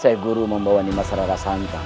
syekh guri membawa nimas rara santang